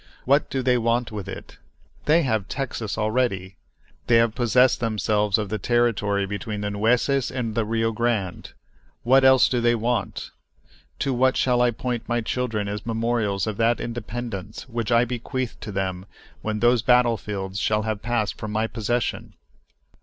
What do they want with it? They have Texas already. They have possessed themselves of the territory between the Nueces and the Rio Grande. What else do they want? To what shall I point my children as memorials of that independence which I bequeath to them when those battle fields shall have passed from my possession?"